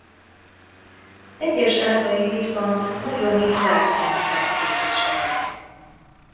Egyes ágai viszont nagyon is zárt rendszert képviselnek.